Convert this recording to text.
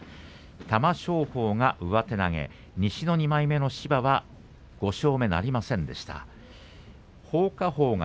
玉正鳳、上手投げ西の２枚目の芝は５勝目なりません。